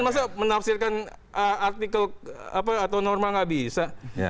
masa menafsirkan artikel atau normal nggak bisa